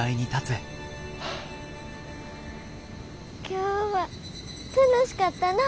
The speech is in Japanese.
今日は楽しかったな。